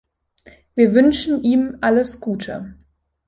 Wir wünschen ihm alles Gute.